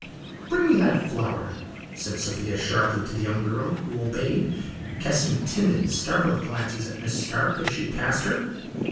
"Bring me that flour," said Sophia sharply to the young girl, who obeyed, casting timid, startled glances at Miss Stark as she passed her.